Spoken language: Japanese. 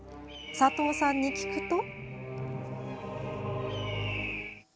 佐藤さんに聞くと。